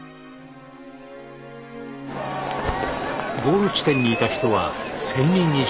ゴール地点にいた人は１，０００人以上。